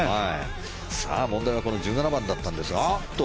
問題は１７番だったんですが。